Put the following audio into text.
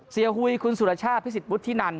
เสียหุยคุณสุรชาติพิสิทธิ์พุทธินัน